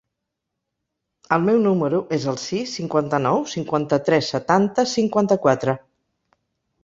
El meu número es el sis, cinquanta-nou, cinquanta-tres, setanta, cinquanta-quatre.